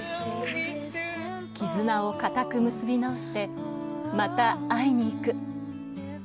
絆を固く結び直してまた会いに行く。